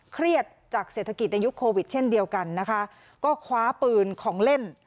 เครียดจากเศรษฐกิจในยุคโควิดเช่นเดียวกันนะคะก็คว้าปืนของเล่น